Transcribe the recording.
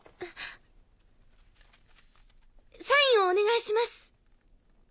サインをお願いします。